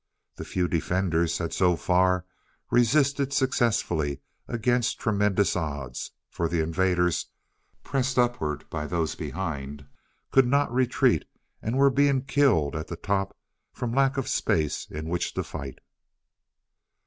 The few defenders had so far resisted successfully against tremendous odds, for the invaders, pressed upward by those behind, could not retreat, and were being killed at the top from lack of space in which to fight.